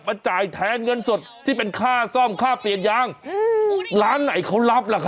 จ่ายแทนเงินสดที่เป็นค่าซ่อมค่าเปลี่ยนยางร้านไหนเขารับล่ะครับ